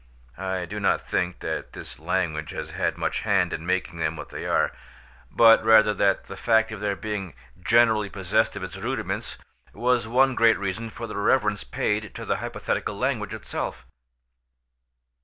I do not think that this language has had much hand in making them what they are; but rather that the fact of their being generally possessed of its rudiments was one great reason for the reverence paid to the hypothetical language itself.